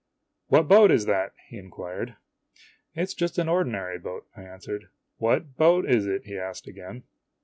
" What boat is that ?" he inquired.' " It 's just an ordinary boat," I answered. " What boat is it? " he asked aeain.